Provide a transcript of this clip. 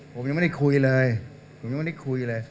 ผมยังไม่ได้คุยเลยผมยังไม่ได้คุยเลย